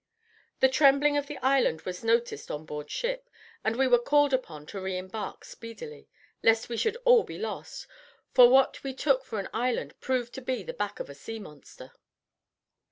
The trembling of the island was noticed on board ship, and we were called upon to re embark speedily, lest we should all be lost; for what we took for an island proved to be the back of a sea monster.